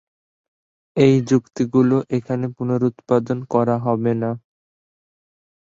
এই যুক্তিগুলো এখানে পুনরুৎপাদন করা হবে না।